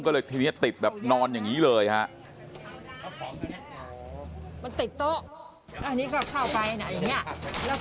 ก็เลยทีนี้ติดแบบนอนอย่างนี้เลยฮะ